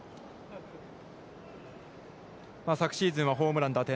昨シーズンはホームラン打点。